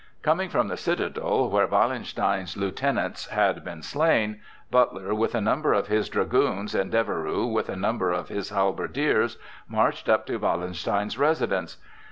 Coming from the citadel, where Wallenstein's lieutenants had been slain, Butler, with a number of his dragoons, and Deveroux, with a number of his halberdiers, marched up to Wallenstein's residence.